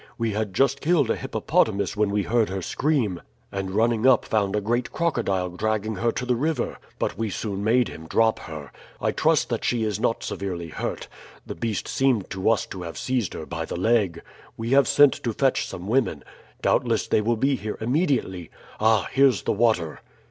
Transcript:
"We had just killed a hippopotamus when we heard her scream, and running up found a great crocodile dragging her to the river, but we soon made him drop her. I trust that she is not severely hurt. The beast seemed to us to have seized her by the leg. We have sent to fetch some women. Doubtless they will be here immediately. Ah! here's the water."